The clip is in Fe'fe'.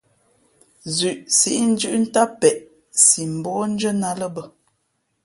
Zʉʼ síʼ ndʉ́ʼ ntám peʼe si mbókndʉ́ά nά ā lά bᾱ.